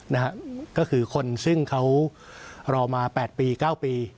นะฮะก็คือคนซึ่งเขารอมา๘ปี๙ปี